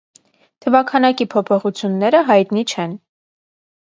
Թվաքանակի փոփոխությունները հայտնի չեն։